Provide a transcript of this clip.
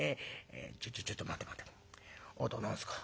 『ちょちょいと待て待て。あなた何すか。